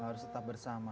harus tetap bersama